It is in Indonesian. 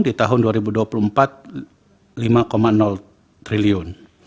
di tahun dua ribu dua puluh empat lima triliun